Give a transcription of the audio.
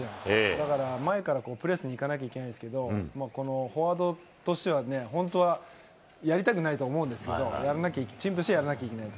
だから、前からプレスに行かなきゃいけないんですけど、このフォワードとしては、本当はやりたくないと思うんですけど、やんなきゃ、チームとしてはやらなきゃいけないと。